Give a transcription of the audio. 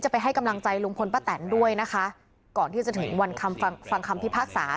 ไปให้กำลังใจลุงพลป้าแตนด้วยนะคะก่อนที่จะถึงวันคำฟังฟังคำพิพากษา